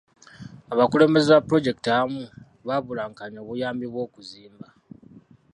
Abakulembeze ba pulojekiti abamu baabulankanya obuyambi bw'okuzimba.